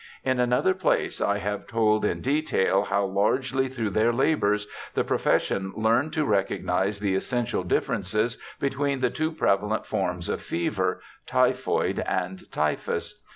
In another place ^ I have told in detail how largely through their labours the profession learned to recognize the essential differences between the two prevalent forms of fever, typhoid and typhus.